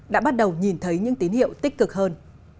đã bắt đầu nhìn thấy những tín hiệu tích cực hơn